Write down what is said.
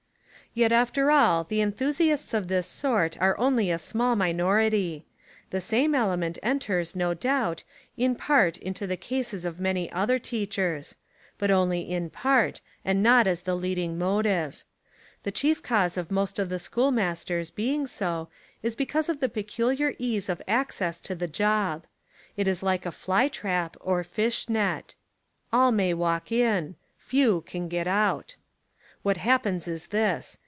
Yet after all the enthusiasts of this sort are only a small minority. The same element en ters, no doubt, in part into the cases of many other teachers — but only in part and not as the leading motive. The chief cause of most of the schoolmasters being so is because of 171 Essays and Literary Studies the peculiar ease of access to the job. It is like a fly trap, or fish net. All may walk in; few can get out. What happens is this.